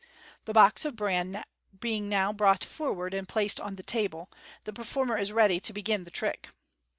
The box of bran being now brought forward and placed on the table, the performer is ready to begin the trick.